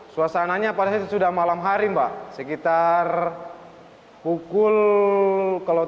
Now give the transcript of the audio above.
suasananya pada saat itu sudah malam hari mbak